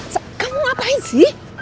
sah kamu ngapain sih